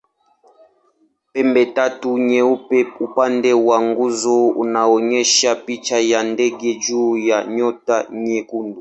Pembetatu nyeupe upande wa nguzo unaonyesha picha ya ndege juu ya nyota nyekundu.